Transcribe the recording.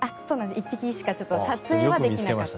１匹しか撮影はできなかった。